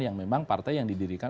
yang memang partai yang didirikan